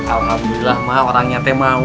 alhamdulillah mah orang nyate mau